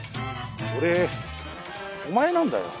俺お前なんだよ。